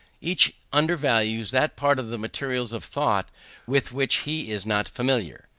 Each undervalues that part of the materials of thought with which he is not familiar.